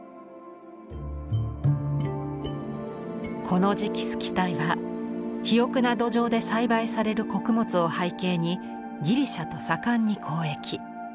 この時期スキタイは肥沃な土壌で栽培される穀物を背景にギリシャと盛んに交易。